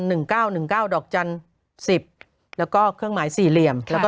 โหยวายโหยวายโหยวาย